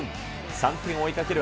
３点を追いかける